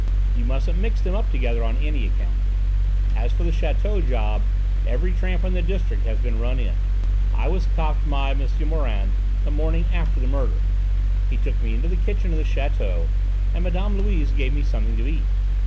"You mustn't mix them up together on any account. As for the château job, every tramp in the district has been run in: I was copped by M'sieu Morand the morning after the murder; he took me into the kitchen of the château and Mme. Louise gave me something to eat.